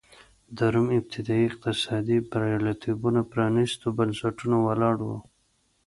د روم ابتدايي اقتصادي بریالیتوبونه پرانېستو بنسټونو ولاړ و.